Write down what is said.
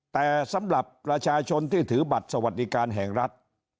แต่สำหรับประชาชนที่ถือบัตรสวัสดิการแห่งรัฐ